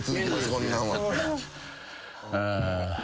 こんなんは。